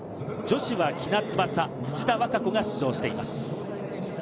女子は喜納翼、土田和歌子が出場しています。